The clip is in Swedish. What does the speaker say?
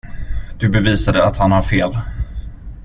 Du bevisade att han har fel.